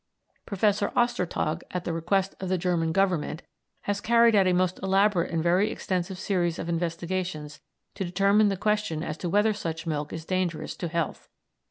Professor Ostertag, at the request of the German Government, has carried out a most elaborate and very extensive series of investigations to determine the question as to whether such milk is dangerous to health.